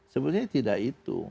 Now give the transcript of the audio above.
sebenarnya tidak itu